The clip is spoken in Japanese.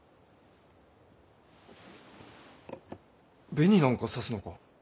紅なんかさすのか？